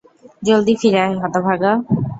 জলদি ফিরে আয়, হতভাগা!